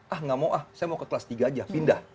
ah nggak mau ah saya mau ke kelas tiga aja pindah